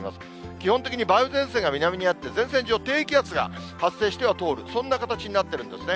基本的に梅雨前線が南にあって、前線上低気圧が発生しては通る、そんな形になってるんですね。